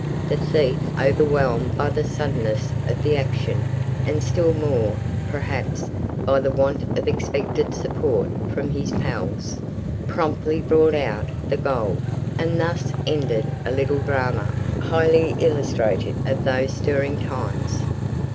The thief, overwhelmed by the suddenness of the action, and still more, perhaps, by the want of expected support from his "pals," promptly brought out the gold; and thus ended a little drama highly illustrative of those stirring times.